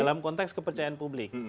dalam konteks kepercayaan publik